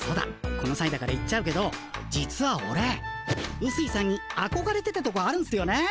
このさいだから言っちゃうけど実はオレうすいさんにあこがれてたとこあるんすよね。